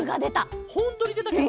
ほんとにでたケロ？